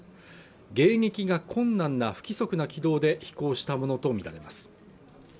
迎撃が困難な不規則な軌道で飛行したものと見られます